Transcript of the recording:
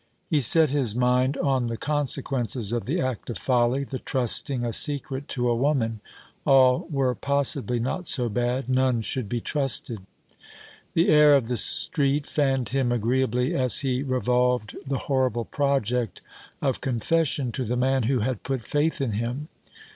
He set his mind on the consequences of the act of folly the trusting a secret to a woman. All were possibly not so bad: none should be trusted. The air of the street fanned him agreeably as he revolved the horrible project of confession to the man who had put faith in him.